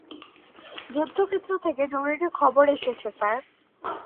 যুদ্ধক্ষেত্র থেকে জরুরী খবর এসেছে, স্যার।